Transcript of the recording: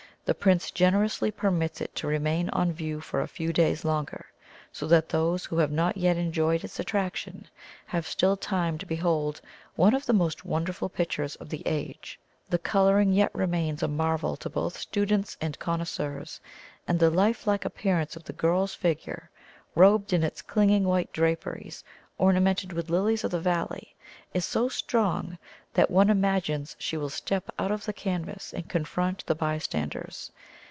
The Prince generously permits it to remain on view for a few days longer, so that those who have not yet enjoyed its attraction, have still time to behold one of the most wonderful pictures of the age. The colouring yet remains a marvel to both students and connoisseurs, and the life like appearance of the girl's figure, robed in its clinging white draperies ornamented with lilies of the valley, is so strong, that one imagines she will step out of the canvas and confront the bystanders.